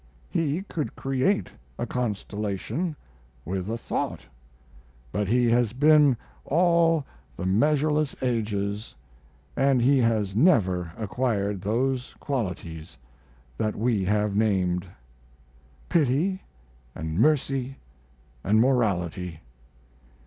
He could create a constellation with a thought; but He has been all the measureless ages, and He has never acquired those qualities that we have named pity and mercy and morality.